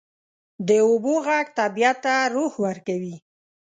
د اوبو ږغ طبیعت ته روح ورکوي.